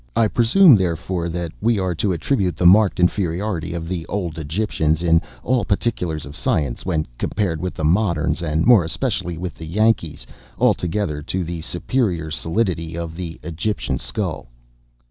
I presume, therefore, that we are to attribute the marked inferiority of the old Egyptians in all particulars of science, when compared with the moderns, and more especially with the Yankees, altogether to the superior solidity of the Egyptian skull."